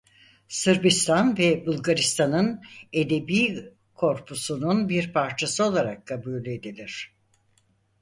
Sırbistan ve Bulgaristan'ın edebi korpusunun bir parçası olarak kabul edilir.